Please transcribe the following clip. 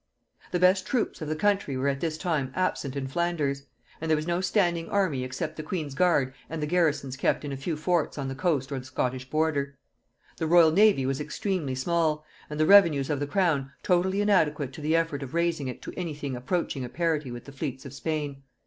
The best troops of the country were at this time absent in Flanders; and there was no standing army except the queen's guard and the garrisons kept in a few forts on the coast or the Scottish border. The royal navy was extremely small, and the revenues of the crown totally inadequate to the effort of raising it to any thing approaching a parity with the fleets of Spain.